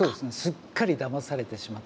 すっかりだまされてしまった。